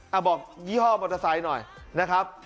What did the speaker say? เอาบอกยี่ห้อมอเตอร์ไซค์หน่อยนะครับ